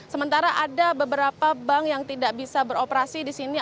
sementara ada beberapa bank yang tidak bisa beroperasi di sini